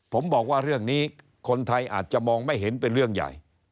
ผมบอกว่าเรื่องนี้คนไทยอาจจะมองไม่เห็นเป็นเรื่องใหญ่